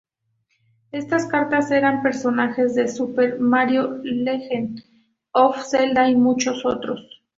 Estas cartas eran personajes de Super Mario, Legend of Zelda y muchos otros.